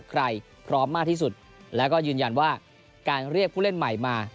พร้อมมากที่สุดแล้วก็ยืนยันว่าการเรียกผู้เล่นใหม่มา